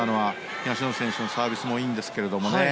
東野選手のサービスもいいんですけどもね。